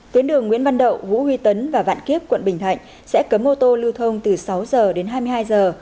tuyến đường nguyễn văn đậu vũ huy tấn và vạn kiếp quận bình thạnh sẽ cấm ô tô lưu thông từ sáu giờ đến hai mươi hai giờ